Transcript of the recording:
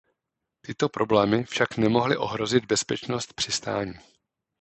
Tyto problémy však nemohly ohrozit bezpečnost přistání.